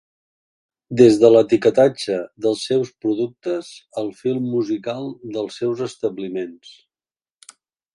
Des de l’etiquetatge dels seus productes al fil musical dels seus establiments.